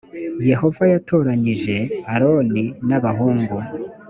yehova yatoranyije aroni n abahungu